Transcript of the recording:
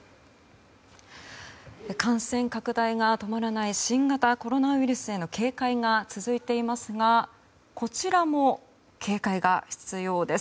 感染拡大が止まらない新型コロナウイルスへの警戒が続いていますがこちらも警戒が必要です。